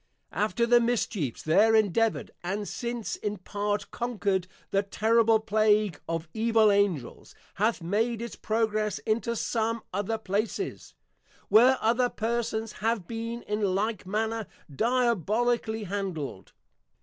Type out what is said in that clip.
After the Mischiefs there Endeavoured, and since in part Conquered, the terrible Plague, of Evil Angels, hath made its Progress into some other places, where other Persons have been in like manner Diabolically handled.